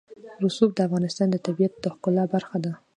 رسوب د افغانستان د طبیعت د ښکلا برخه ده.